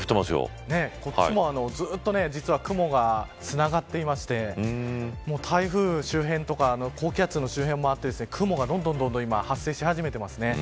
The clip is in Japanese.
こっちもずっと実は雲がつながっていて台風周辺とか高気圧の周辺もあって雲がどんどん発生し始めてますね。